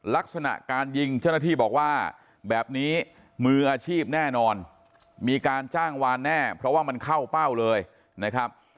ลักษณะการยิงเจ้าหน้าที่บอกว่าแบบนี้มืออาชีพแน่นอนมีการจ้างวานแน่เพราะว่ามันเข้าเป้าเลยนะครับ